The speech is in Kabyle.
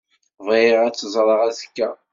Bɣiɣ ad tt-ẓreɣ azekka.